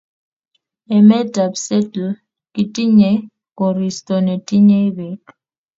Emetab Seattle kotinye koristo netinyei beek